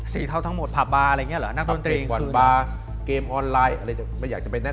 สีเทาทั้งหมดแบบบาอะไรอย่างนี้เหรอ